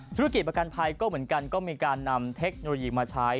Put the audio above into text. ธุรกิจประกันภัยก็เหมือนกันก็มีการนำเทคโนโลยีมาใช้